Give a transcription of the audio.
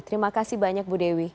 terima kasih banyak bu dewi